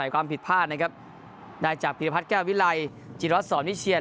ความผิดพลาดนะครับได้จากพิรพัฒน์แก้ววิไลจิรวัตรสอนวิเชียน